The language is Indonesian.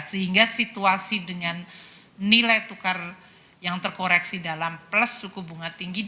sehingga situasi dengan nilai tukar yang terkoreksi dalam plus suku bunga tinggi